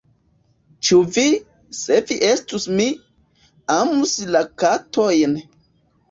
“Ĉu vi, se vi estus mi, amus la katojn?”